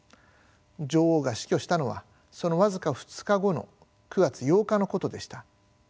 女王が死去したのはその僅か２日後の９月８日のことでした。